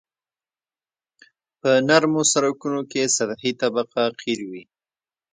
په نرمو سرکونو کې سطحي طبقه قیر وي